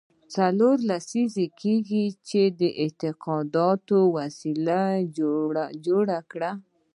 څلور لسیزې کېږي چې دې اعتقاداتو وسله جوړه کړې.